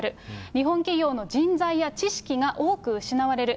日本企業の人材や知識が多く失われる。